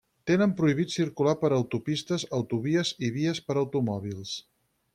Tenen prohibit circular per autopistes, autovies i vies per automòbils.